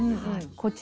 こちらが。